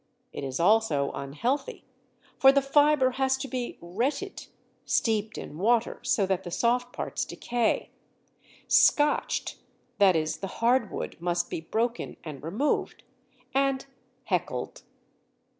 It is also unhealthy, for the fibre has to be "retted" (steeped in water so that the soft parts decay), "scotched" (that is the hard wood must be broken and removed), and "heckled."